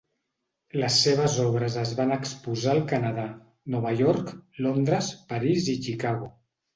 Les seves obres es van exposar al Canadà, Nova York, Londres, París i Chicago.